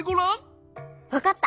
わかった！